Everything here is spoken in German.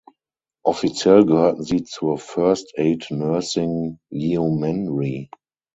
Offiziell gehörten sie zur "First Aid Nursing Yeomanry".